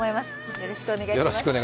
よろしくお願いします。